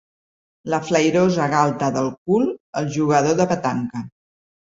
La flairosa galta del cul el jugador de petanca.